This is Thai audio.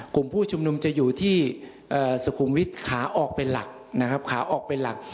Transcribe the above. กลุ่มผู้ชุมนุมจะอยู่ที่สุขุมวิทย์ขาออกเป็นหลักนะครับขาออกเป็นหลัก